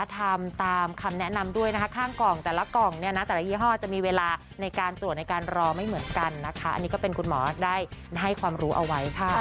เพราะจะแปลผลไม่ได้ครับ